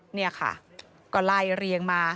นี่ค่ะก็ไล่เรียงมา